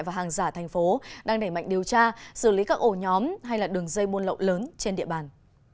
và hàng giả thành phố đang đẩy mạnh điều tra xử lý các ổ nhóm hay là đường dây buôn lậu lớn trên địa bàn